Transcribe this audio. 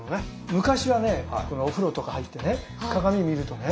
昔はねお風呂とか入ってね鏡見るとね